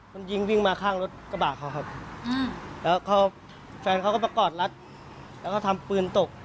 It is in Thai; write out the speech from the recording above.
มันยิงวิ่งมาข้างรถกระบะเขาครับแล้วเขาแฟนเขาก็ประกอดรัดแล้วก็ทำปืนตก